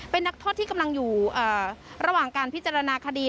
เป็นนักโทษที่กำลังอยู่ระหว่างการพิจารณาคดี